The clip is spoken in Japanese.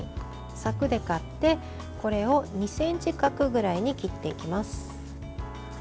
さくで買ってこれを２ｃｍ角ぐらいに切っていきます。